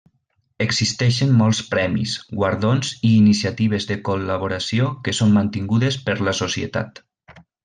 Existeixen molts premis, guardons i iniciatives de col·laboració que són mantingudes per la societat.